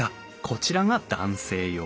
こちらが男性用。